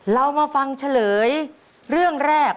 เรามาฟังเฉลยเรื่องแรก